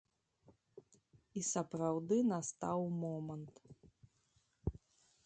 І сапраўды настаў момант.